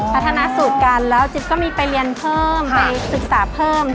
พัฒนาสูตรกันแล้วจิ๊บก็มีไปเรียนเพิ่มไปศึกษาเพิ่ม